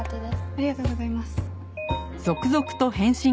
ありがとうございます。